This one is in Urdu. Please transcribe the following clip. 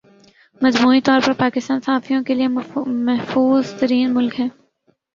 مجموعی طور پر پاکستان صحافیوں کے لئے محفوظ ترین ملک ہے